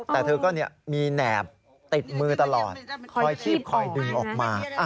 แต่เธอก็มีแหนบติดมือตลอดคอยชีพคอยดึงออกมา